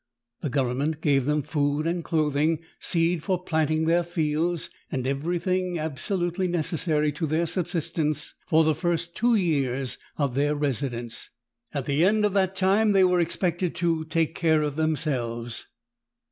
The government gave them food and clothing, seed for planting their fields, and everything abso lutely necessary to their subsistence for the first two years of their residence; at the end of that time they were expected to take care of them selves.